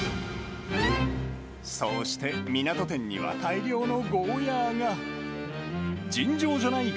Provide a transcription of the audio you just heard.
そうして、みなと店には大量のゴーヤが。